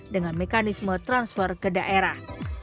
dengan mekanisme transfer ke daerah